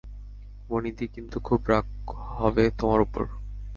বনিদি কিন্তু খুব রাগ হবে তোমার ওপর।